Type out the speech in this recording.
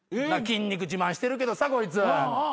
筋肉自慢してるけどさこいつ。